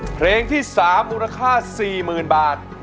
เพลงที่สามมูลค่าสี่หมื่นบาท